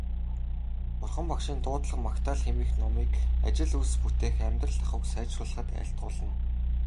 Бурхан Багшийн дуудлага магтаал хэмээх номыг ажил үйлс бүтээх, амьдрал ахуйг сайжруулахад айлтгуулна.